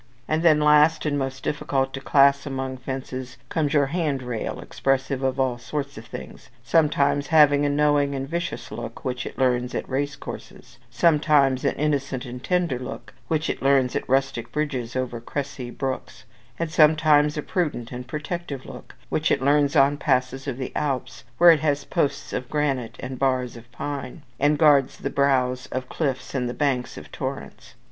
And then last, and most difficult to class among fences, comes your handrail, expressive of all sorts of things; sometimes having a knowing and vicious look, which it learns at race courses; sometimes an innocent and tender look, which it learns at rustic bridges over cressy brooks; and sometimes a prudent and protective look, which it learns on passes of the Alps, where it has posts of granite and bars of pine, and guards the brows of cliffs and the banks of torrents.